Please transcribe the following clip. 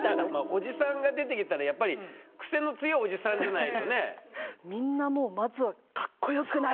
おじさんが出てきたらやっぱりクセの強いおじさんじゃないとね？